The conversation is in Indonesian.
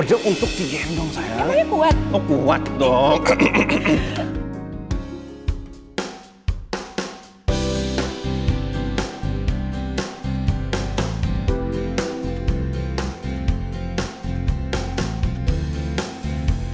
kode untuk di gem dong sayang